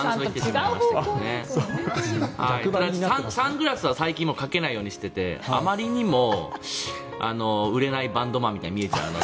サングラスは最近かけないようにしていてあまりにも売れないバンドマンみたいに見えちゃうので。